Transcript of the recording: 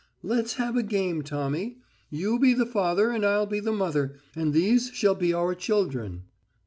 Let's have a game, Tommy; you be the father and I'll be the mother, and these shall be our children."